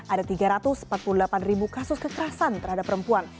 ada tiga ratus empat puluh delapan ribu kasus kekerasan terhadap perempuan